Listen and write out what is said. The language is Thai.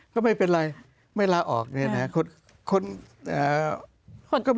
ก็ไม่เป็นไรไม่ลาออกเนี่ยนะครับ